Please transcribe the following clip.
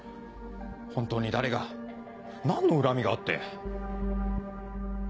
本当に誰が何の恨みがあって。